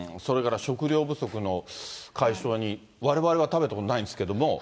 それから食料不足の解消に、われわれは食べたことないんですけれども。